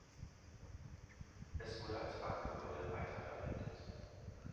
Es wurde als Bankgebäude weiterverwendet.